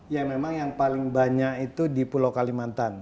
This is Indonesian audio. ya memang yang paling banyak itu di pulau kalimantan